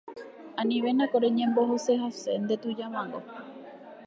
anivéna ko reñembosehace ndetujámango